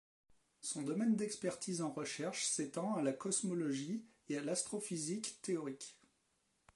Son domaine d'expertise en recherche s'étend à la cosmologie et à l'astrophysique théorique.